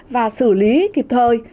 và xử lý kịp thời